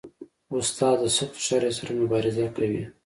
استاد د سختو شرایطو سره مبارزه کوي.